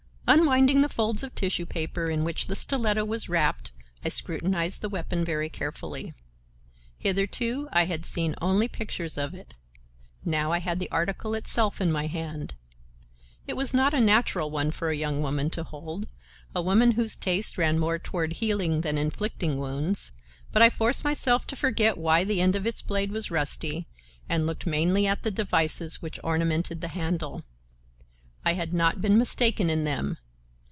Unwinding the folds of tissue paper in which the stiletto was wrapped, I scrutinized the weapon very carefully. Hitherto, I had seen only pictures of it, now, I had the article itself in my hand. It was not a natural one for a young woman to hold, a woman whose taste ran more toward healing than inflicting wounds, but I forced myself to forget why the end of its blade was rusty, and looked mainly at the devices which ornamented the handle. I had not been mistaken in them.